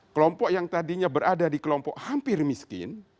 kelompok yang tadinya berada di kelompok hampir miskin